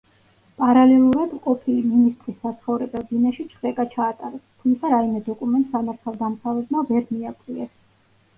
პარალელურად ყოფილი მინისტრის საცხოვრებელ ბინაში ჩხრეკა ჩაატარეს, თუმცა რაიმე დოკუმენტს სამართალდამცავებმა ვერ მიაკვლიეს.